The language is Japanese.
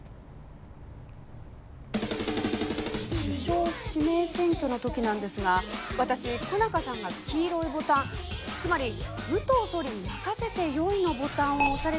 首相指名選挙の時なんですが私小中さんが黄色いボタンつまり武藤総理に任せてよいのボタンを押されたのを見てました！